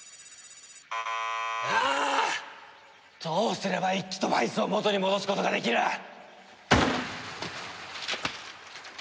どうすれば一輝とバイスを元に戻すことができる！？